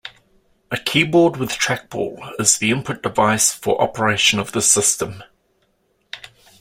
A keyboard with trackball is the input device for operation of this system.